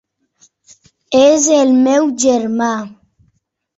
És el meu germà.